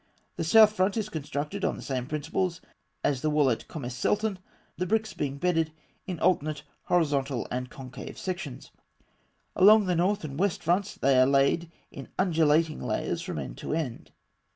The south front is constructed on the same principles as the wall at Kom es Sultan, the bricks being bedded in alternate horizontal and concave sections. Along the north and west fronts they are laid in undulating layers from end to end.